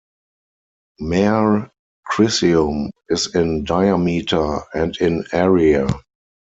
Mare Crisium is in diameter, and in area.